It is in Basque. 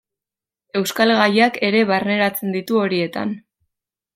Euskal gaiak ere barneratzen ditu horietan.